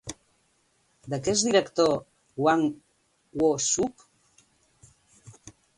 De què és director Hwang Woo-Suk?